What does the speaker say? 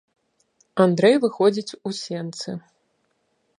Андрэй выходзіць у сенцы.